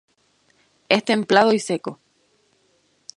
Es templado y seco.